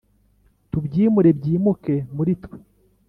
Tubyimure byimuke muri twe